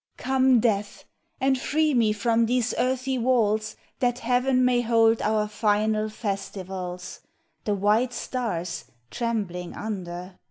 Come, Death, and free me from these earthy walls That heaven may hold our final festivals The white stars trembling under